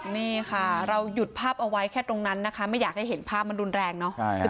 นี่ค่ะเราหยุดภาพเอาไว้แค่ตรงนั้นนะคะไม่อยากให้เห็นภาพมันรุนแรงเนาะ